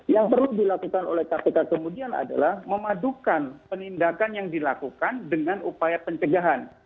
yang perlu dilakukan oleh kpk kemudian adalah memadukan penindakan yang dilakukan dengan upaya pencegahan